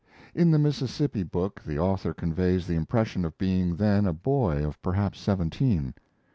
In the Mississippi book the author conveys the impression of being then a boy of perhaps seventeen.